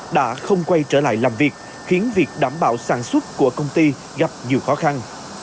đã không quay trở lại làm việc khiến việc đảm bảo sản xuất của công ty gặp nhiều khó khăn